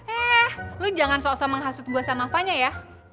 eh lo jangan seosah menghasut gue sama fanya ya